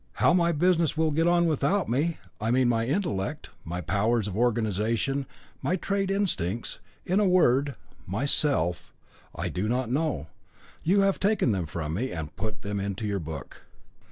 How my business will get on without me I mean my intellect, my powers of organisation, my trade instincts, in a word, myself I do not know. You have taken them from me and put them into your book.